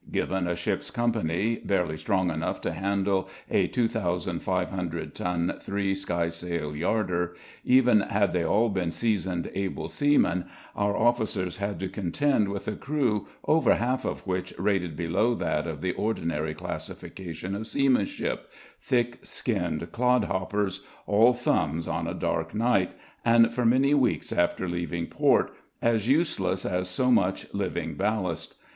Given a ship's company barely strong enough to handle a two thousand five hundred ton three skysail yarder, even had they all been seasoned able seamen, our officers had to contend with a crew over half of which rated below that of the "ordinary" classification of seamanship, thick skinned clodhoppers, all thumbs on a dark night, and for many weeks after leaving port, as useless as so much living ballast.